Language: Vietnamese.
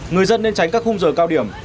người dân nên tránh các khung giờ cao điểm